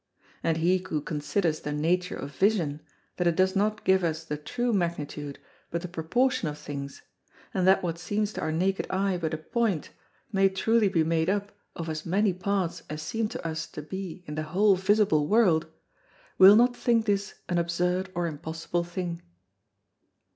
And he who considers the Nature of Vision, that it does not give us the true magnitude, but the proportion of things; and that what seems to our naked Eye but a Point, may truly be made up of as many Parts as seem to us to be in the whole visible World, will not think this an absurd or impossible thing.